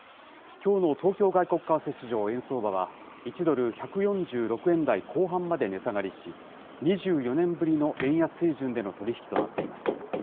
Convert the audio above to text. きょうの東京外国為替市場、円相場は１ドル１４６円台後半まで値下がりし、２４年ぶりの円安水準での取り引きとなっています。